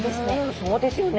そうですよね。